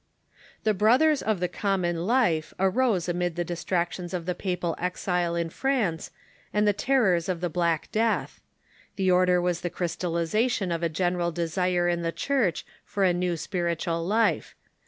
The Brothers of the Common Life arose amid the distrac tions of the papal exile in France and the terrors of the Black Death. The order was the crystallization of a general de sire in the Church for a new spiritual life.